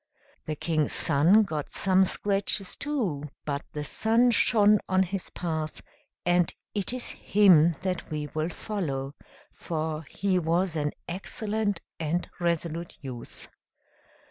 The King's Son got some scratches too; but the sun shone on his path, and it is him that we will follow, for he was an excellent and resolute youth.